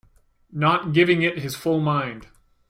Not giving it his full mind.